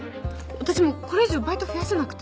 私もうこれ以上バイト増やせなくて。